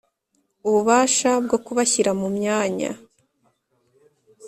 ububasha bwo kubashyira mu myanya